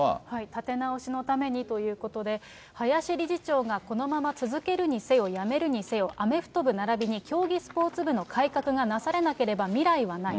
立て直しのためにということで、林理事長がこのまま続けるにせよ、辞めるにせよ、アメフト部ならびに競技スポーツ部の改革がなされなければ未来はない。